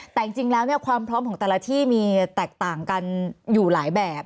แต่จริงแล้วความพร้อมของแต่ละที่มีแตกต่างกันอยู่หลายแบบ